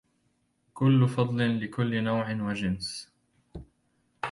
كل فضل لكل نوع وجنس